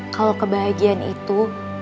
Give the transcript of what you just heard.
kalo kebahagiaan itu